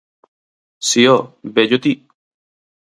–Si, ho, vello ti!